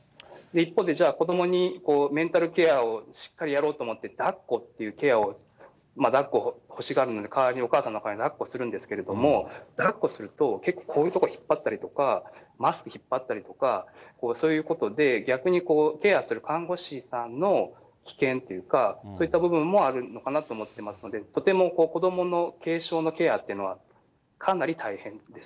一方で、じゃあ子どものメンタルケアをしっかりやろうと思って、だっこってケアを、だっこ欲しがるので、代わりに、お母さんの代わりにだっこをするんですけれども、だっこすると、結構、こういうとこ引っ張ったりとか、マスク引っ張ったりとか、そういうことで、逆にケアする看護師さんの危険っていうか、そういった部分もあるのかなと思ってますので、とても子どもの軽症のケアっていうのは、かなり大変です。